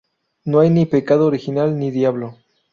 No hay ni pecado original ni diablo.